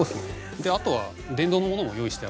であとは電動のものも用意してあるんで。